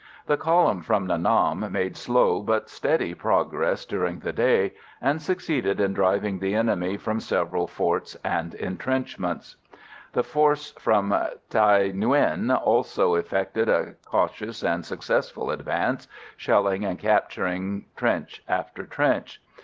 The column from Nha Nam made slow but steady progress during the day, and succeeded in driving the enemy from several forts and entrenchments. The force from Thaï Nguyen also effected a cautious and successful advance, shelling and capturing trench after trench.